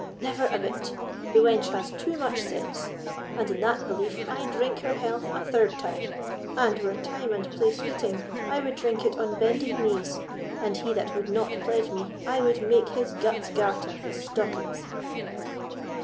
"Never a bit; the wench has too much sense, and in that belief I drink her health a third time; and, were time and place fitting, I would drink it on bended knees, and he that would not pledge me, I would make his guts garter his stockings."